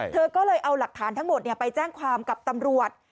เธอก็เลยเอาหลักฐานทั้งหมดไปแจ้งความกับตำรวจ